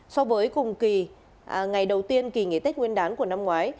so với cùng kỳ ngày đầu tiên kỳ nghỉ tết nguyên đán của năm ngoái